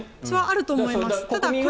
それはあると思います。